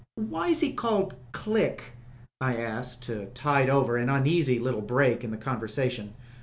"Why was he called Click?" I asked to tide over an uneasy little break in the conversation.